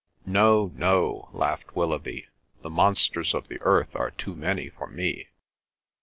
"No, no," laughed Willoughby, "the monsters of the earth are too many for me!"